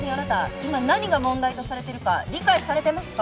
今何が問題とされているか理解されてますか？